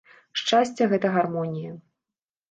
Шчасце – гэта гармонія